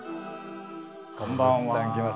こんばんは。